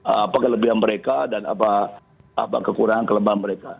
apa kelebihan mereka dan apa kekurangan kelemahan mereka